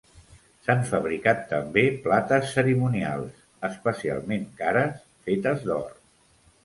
S'han fabricat també plates cerimonials, especialment cares, fetes d'or.